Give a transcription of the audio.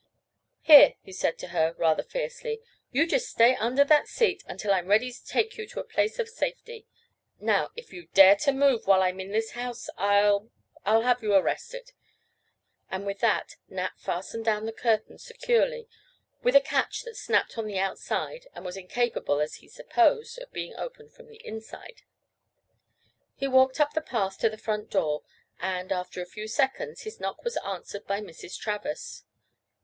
"Here," he said to her, rather fiercely, "you just stay under that seat until I'm ready to take you to a place of safety. Now, if you dare to move while I'm in this house I'll—I'll have you arrested," and with that Nat fastened down the curtain securely, with a catch that snapped on the outside and was incapable, as he supposed, of being opened from the inside. He walked up the path to the front door and, after a few seconds, his knock was answered by Mrs. Travers.